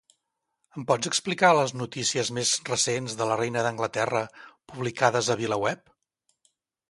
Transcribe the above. Em pots explicar les notícies més recents de la reina d'Anglaterra publicades a "Vilaweb"?